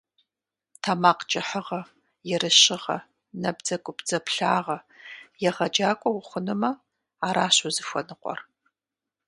ТэмакъкӀыхьыгъэ, ерыщыгъэ, набдзэгубдзаплъагъэ – егъэджакӏуэ ухъунумэ, аращ узыхуэныкъуэр.